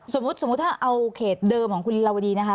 สมมุติถ้าเอาเขตเดิมของคุณลีลาวดีนะคะ